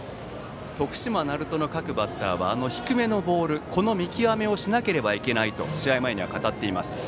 徳島・鳴門の各バッターは低めのボールこの見極めをしなければいけないと試合前に語っています。